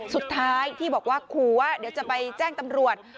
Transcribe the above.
สุดท้ายที่บอกว่าขู่ว่าเดี๋ยวจะไปแจ้งตำรวจ